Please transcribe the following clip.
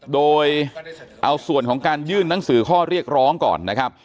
โดยเอาส่วนของการยื่นหนังสือข้อเรียกร้องก่อนนะครับ